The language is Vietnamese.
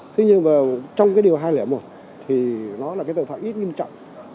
thế nhưng mà trong cái điều hai trăm linh một thì nó là cái tội phạm ít nghiêm trọng